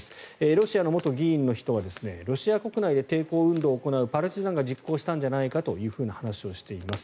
ロシアの元議員の人はロシア国内で抵抗運動を行うパルチザンが実行したんじゃないかという話をしています。